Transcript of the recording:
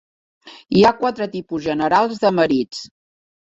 Hi ha quatre tipus generals de marits.